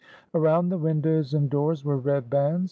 Around the windows and doors were red bands.